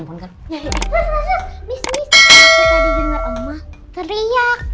aku tadi denger oma teriak